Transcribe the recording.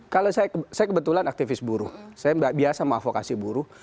kalau saya kebetulan aktivis buruh saya biasa mengavokasi buruh